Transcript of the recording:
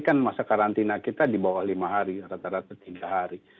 kan masa karantina kita di bawah lima hari rata rata tiga hari